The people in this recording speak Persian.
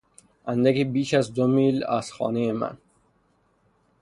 اندکی بیش از دو میل از خانهی من